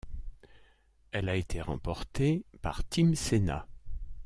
Elle a été remportée par Tim Sena.